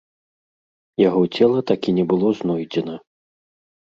Яго цела так і не было знойдзена.